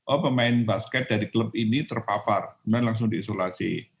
oh pemain basket dari klub ini terpapar kemudian langsung diisolasi